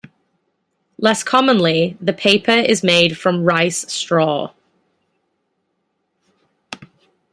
Less commonly, the paper is made from rice straw.